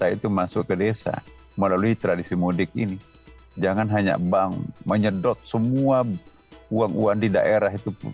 itu masuk ke desa melalui tradisi mudik ini jangan hanya bank menyedot semua uang uang di daerah itu